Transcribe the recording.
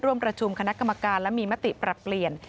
ร่วมประชุมคณะกรรมการและมีมติปรับเปลี่ยน